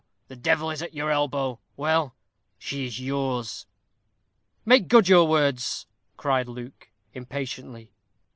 the devil is at your elbow. Well, she is yours." "Make good your words," cried Luke, impatiently.